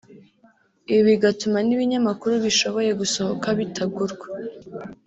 ibi bigatuma n’ibinyamakuru bishoboye gusohoka bitagurwa